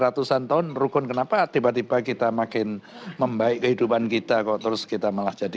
ratusan tahun rukun kenapa tiba tiba kita makin membaik kehidupan kita kok terus kita malah jadi